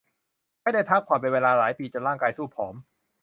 ไม่ได้พักผ่อนเป็นเวลาหลายปีจนร่างกายซูบผอม